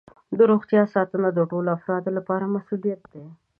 د روغتیا ساتنه د ټولو افرادو لپاره مسؤولیت دی.